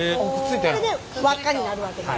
これで輪っかになるわけです。